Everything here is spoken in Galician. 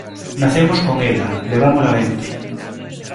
Nacemos con ela, levámola dentro.